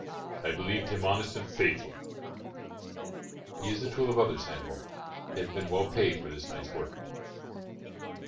"I believed him honest and faithful." "He is the tool of others, Hannibal; he has been well paid for this night's work."